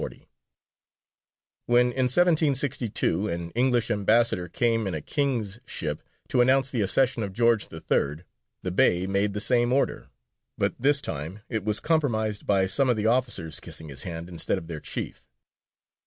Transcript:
When in 1762 an English ambassador came in a King's ship to announce the accession of George III., the Bey made the same order, but this time it was compromised by some of the officers kissing his hand instead of their chief.